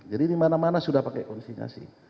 jadi ini mana mana sudah pakai konsingasi